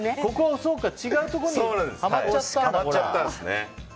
違うところにはまっちゃったんだ。